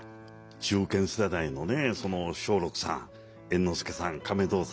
中堅世代のね松緑さん猿之助さん亀蔵さん